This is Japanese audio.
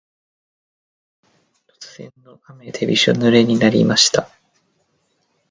突然の雨でびしょぬれになりました。